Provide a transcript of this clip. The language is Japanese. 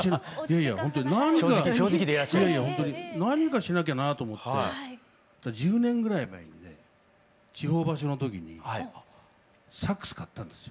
いやほんとに何かしなきゃなと思って１０年ぐらい前にね地方場所の時にサックス買ったんですよ。